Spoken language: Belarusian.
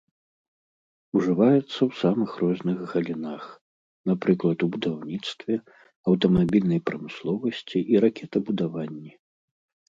Ужываецца ў самых розных галінах, напрыклад у будаўніцтве, аўтамабільнай прамысловасці і ракетабудаванні.